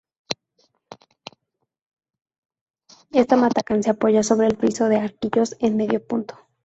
Este matacán se apoya sobre un friso de arquillos de medio punto.